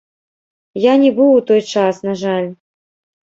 Я не быў у той час, на жаль.